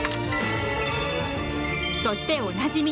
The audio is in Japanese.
そしておなじみ！